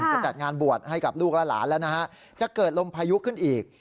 จะจัดงานบวชให้กับลูกและหลานแล้วนะฮะจะเกิดลมพายุขึ้นอีก